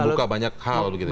membuka banyak hal begitu ya